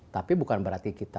tapi bukan berarti kita